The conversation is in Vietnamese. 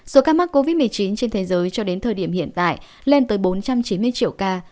số ca mắc covid một mươi chín trên thế giới cho đến thời điểm hiện tại lên tới bốn trăm chín mươi triệu ca